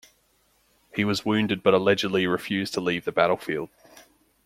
He was wounded but allegedly refused to leave the battlefield.